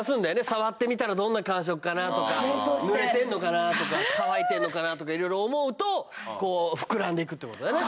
触ってみたらどんな感触かなとか濡れてんのかなとか乾いてんのかなとかいろいろ思うとこう膨らんでくってことだよね